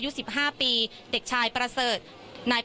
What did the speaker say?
พูดสิทธิ์ข่าวธรรมดาทีวีรายงานสดจากโรงพยาบาลพระนครศรีอยุธยาครับ